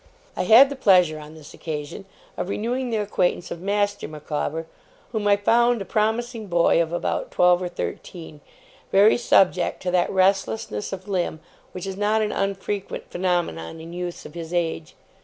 I had the pleasure, on this occasion, of renewing the acquaintance of Master Micawber, whom I found a promising boy of about twelve or thirteen, very subject to that restlessness of limb which is not an unfrequent phenomenon in youths of his age.